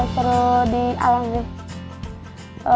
seru di alam sih